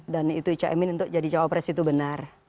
dan itu caimin untuk jadi jawab pres itu benar